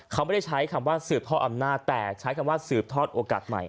เขาไม่ได้ใช้คำว่าสืบทอดอำนาจแต่ใช้คำว่าสืบทอดโอกาสใหม่